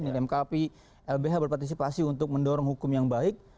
dilengkapi lbh berpartisipasi untuk mendorong hukum yang baik